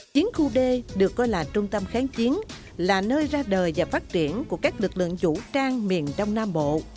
chiến khu d được coi là trung tâm kháng chiến là nơi ra đời và phát triển của các lực lượng vũ trang miền đông nam bộ